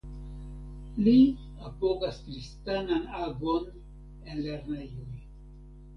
Li apogas kristanan agon en lernejoj.